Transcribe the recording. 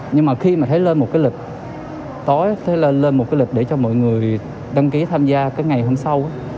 nhưng mà khi mà thấy lên một cái lịch tối thế lên một cái lịch để cho mọi người đăng ký tham gia cái ngày hôm sau